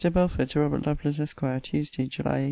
BELFORD, TO ROBERT LOVELACE, ESQ. TUESDAY, JULY 18.